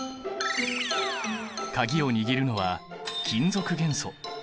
鍵を握るのは金属元素。